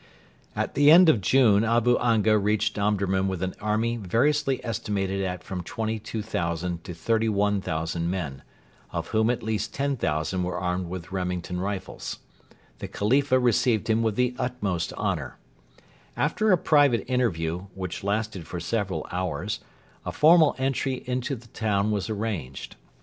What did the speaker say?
At the end of June Abu Anga reached Omdurman with an army variously estimated at from 22,000 to 31,000 men, of whom at least 10,000 were armed with Remington rifles. The Khalifa received him with the utmost honour. After a private interview, which lasted for several hours, a formal entry into the town was arranged.